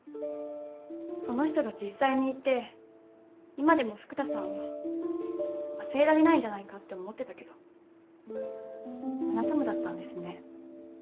その人が実際にいて今でも福多さんは忘れられないんじゃないかって思ってたけどあなたもだったんですね。